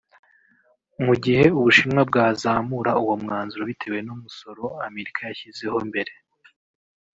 Mu gihe u Bushinwa bwazamura uwo mwanzuro bitewe n’umusoro Amerika yashyizeho mbere